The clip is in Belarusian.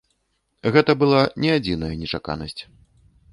Гэта была не адзіная нечаканасць.